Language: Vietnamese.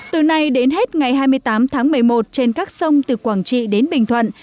từ nay đến hết ngày hai mươi tám tháng một mươi một trên các sông từ quảng trị đến bình thuận